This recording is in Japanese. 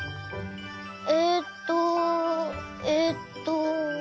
えっとえっと。